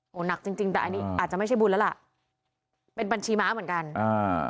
โอ้โหหนักจริงจริงแต่อันนี้อาจจะไม่ใช่บุญแล้วล่ะเป็นบัญชีม้าเหมือนกันอ่า